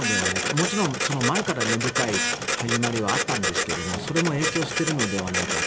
もちろん前から根深い始まりはあったんですけどそれも影響しているのではないかと。